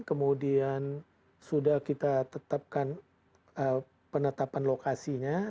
kemudian sudah kita tetapkan penetapan lokasinya